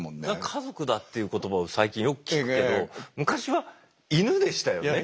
「家族だ」という言葉を最近よく聞くけど昔は「イヌ」でしたよね。